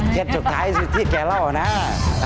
แค่จดท้ายที่แกเล่านะ